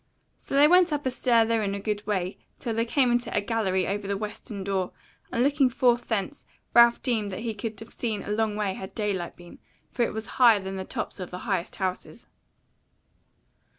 So they went up a stair therein a good way till they came into a gallery over the western door; and looking forth thence Ralph deemed that he could have seen a long way had daylight been, for it was higher than the tops of the highest houses.